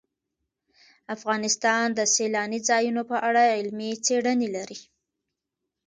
افغانستان د سیلانی ځایونه په اړه علمي څېړنې لري.